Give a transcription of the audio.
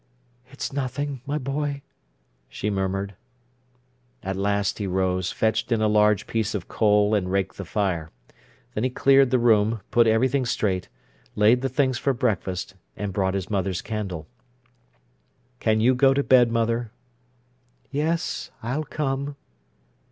"It's nothing, my boy," she murmured. At last he rose, fetched in a large piece of coal, and raked the fire. Then he cleared the room, put everything straight, laid the things for breakfast, and brought his mother's candle. "Can you go to bed, mother?" "Yes, I'll come."